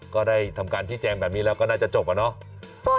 ก็ได้ทำการชี้แจงแบบนี้แล้วก็น่าจะจบอะเนาะ